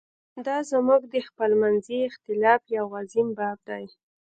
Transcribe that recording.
دا زموږ د خپلمنځي اختلاف یو عظیم باب دی.